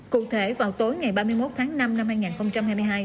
cụ thể vào tối ngày ba mươi một tháng năm năm hai nghìn hai mươi hai